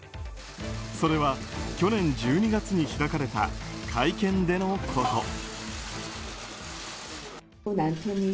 それは、去年１２月に開かれた会見でのこと。